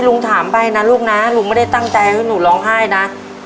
ลุงถามไปนะลูกนะลุงไม่ได้ตั้งใจให้หนูร้องไห้นะ